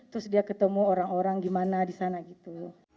terus dia ketemu orang orang gimana di sana gitu